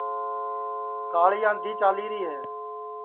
کاݪی آنٚدھی چالی ری ہے